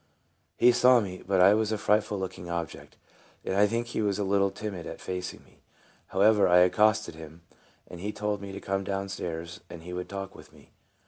He saw me; but I was a frightful looking object, and I think he was a little timid at facing me. However, I accosted him, and he told me to come down stairs and he would talk with me.